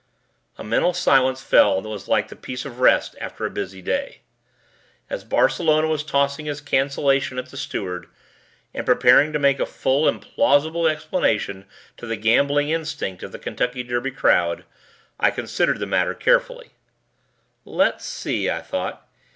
A mental silence fell that was like the peace of rest after a busy day. As Barcelona was tossing his cancellation at the Steward and preparing to make a full and plausible explanation to the gambling instinct of the Kentucky Derby crowd, I considered the matter carefully: "Let's see," I thought.